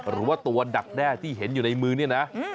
หรือว่าตัวดักแด้ที่เห็นอยู่ในมือนี่นะ